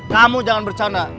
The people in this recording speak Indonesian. kamu jangan bercanda